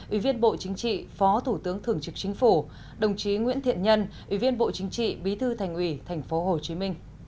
ủy viên bộ chính trị phó thủ tướng thường trực chính phủ đồng chí nguyễn thiện nhân ủy viên bộ chính trị bí thư thành ủy tp hcm